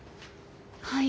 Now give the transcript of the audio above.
はい。